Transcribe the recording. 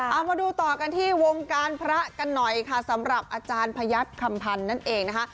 เอามาดูต่อกันที่วงการพระกันหน่อยค่ะสำหรับอาจารย์พยัดคำพันธ์นั่นเองนะคะ